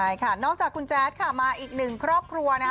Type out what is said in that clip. ใช่ค่ะนอกจากคุณแจ๊ดค่ะมาอีกหนึ่งครอบครัวนะคะ